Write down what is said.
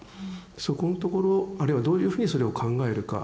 そこんところあるいはどういうふうにそれを考えるか。